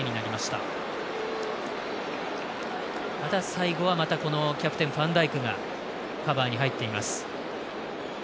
ただ、最後はキャプテン、ファンダイクがカバーに入っています。